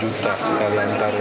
satu juta sekali mengantar ya